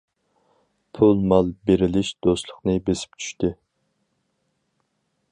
پۇل- مال بېرىلىش دوستلۇقنى بېسىپ چۈشتى.